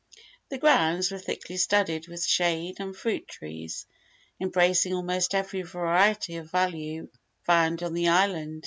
The grounds were thickly studded with shade and fruit trees, embracing almost every variety of value found on the island.